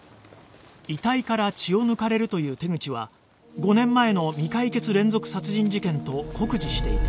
遺体から血を抜かれるという手口は５年前の未解決連続殺人事件と酷似していた